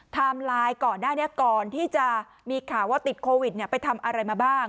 ไลน์ก่อนหน้านี้ก่อนที่จะมีข่าวว่าติดโควิดไปทำอะไรมาบ้าง